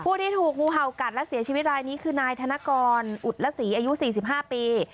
ที่ถูกงูเห่ากัดและเสียชีวิตรายนี้คือนายธนกรอุดละศรีอายุ๔๕ปี